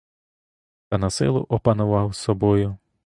Та насилу опанував собою.